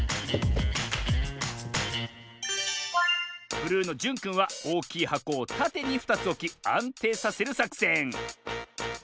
ブルーのじゅんくんはおおきいはこをたてに２つおきあんていさせるさくせん。